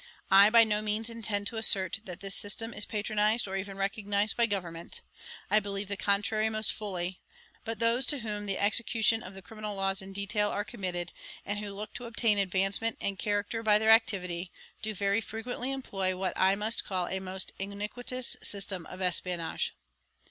I by no means intend to assert that this system is patronised or even recognised by Government. I believe the contrary most fully; but those to whom the execution of the criminal laws in detail are committed, and who look to obtain advancement and character by their activity, do very frequently employ what I must call a most iniquitous system of espionage.